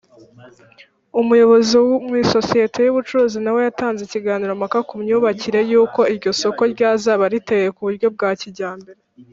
umuyobozi mu isosiyete y’ubucuruzi nawe yatanze ikiganiro mpaka ku myubakire yuko iryo soko ryazaba riteye kuburyo bwa kijyambere.